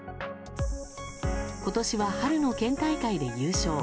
今年は春の県大会で優勝。